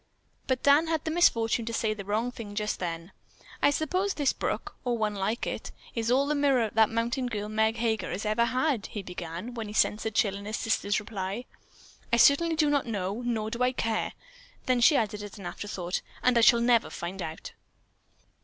But Dan had the misfortune to say the wrong thing just then. "I suppose this brook, or one like it, is all the mirror that the mountain girl, Meg Heger, has ever had," he began, when he sensed a chill in his sister's reply. "I certainly do not know, nor do I care." Then she added, as an afterthought, "And I shall never find out."